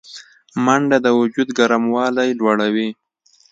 منډه د وجود ګرموالی لوړوي